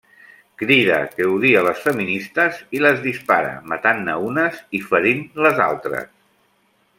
Crida que odia les feministes i les dispara, matant-ne unes i ferint les altres.